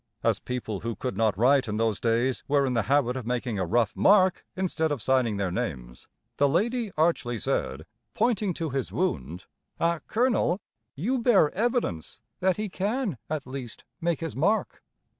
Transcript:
As people who could not write in those days were in the habit of making a rough mark instead of signing their names, the lady archly said, pointing to his wound: "Ah, colonel, you bear evidence that he can at least make his mark!"